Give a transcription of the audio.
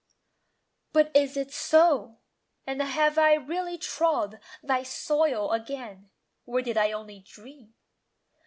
But is it so? And I have really trod Thy soil again? Or did I only dream?